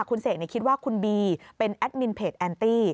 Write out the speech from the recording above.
คุณเสกคิดว่าคุณบีเป็นแอดมินเพจแอนตี้